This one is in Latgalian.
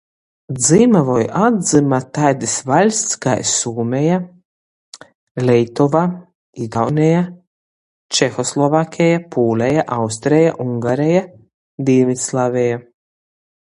Dzyma voi atdzyma taidys vaļsts kai Sūmeja, Leitova, Igauneja, Čehoslovakeja, Pūleja, Austreja, Ungareja, Dīnvydslaveja.